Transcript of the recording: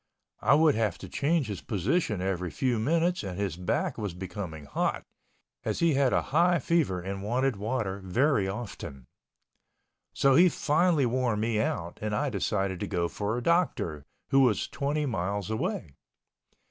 I would have to change his position every few minutes and his back was becoming hot, as he had a high fever and wanted water very often. So he finally wore me out and I decided to go for a doctor, who was twenty miles away.